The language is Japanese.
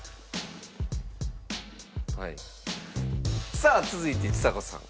さあ続いてちさ子さん。